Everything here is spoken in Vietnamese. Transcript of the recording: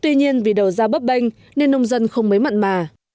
tuy nhiên vì đầu ra bấp bênh nên nông dân không mấy mặn mà